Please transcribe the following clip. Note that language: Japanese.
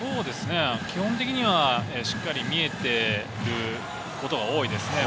基本的にはしっかり見えていることが多いですね。